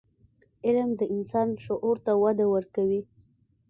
علم د انسان شعور ته وده ورکوي.